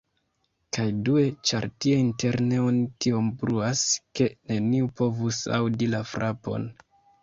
Kaj due, ĉar tie interne oni tiom bruas ke neniu povus aŭdi la frapon.